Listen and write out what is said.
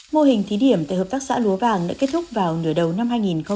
mô hình thí điểm tại hợp tác xã lúa vàng đã kết thúc vào nửa đầu năm hai nghìn hai mươi